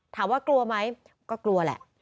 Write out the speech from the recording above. ถามว่ากลัวไหมก็กลัวแหละ